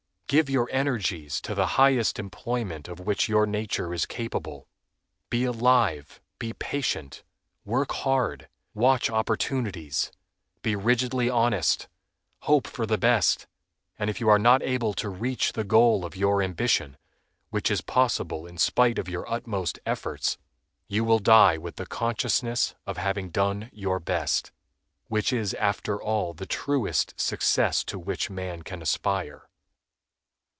Give your energies to the highest employment of which your nature is capable. Be alive, be patient, work hard, watch opportunities, be rigidly honest, hope for the best; and if you are not able to reach the goal of your ambition, which is possible in spite of your utmost efforts, you will die with the consciousness of having done your best, which is after all the truest success to which man can aspire.